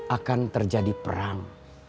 akan terjadi perang